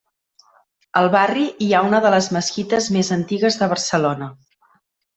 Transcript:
Al barri hi ha una de les mesquites més antigues de Barcelona.